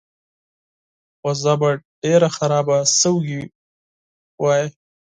وضع به ډېره خرابه شوې وای.